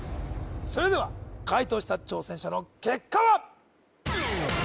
それでは解答した挑戦者の結果は？